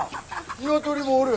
ニワトリもおる！